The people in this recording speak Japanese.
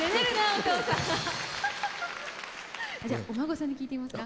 じゃあお孫さんに聞いてみますか。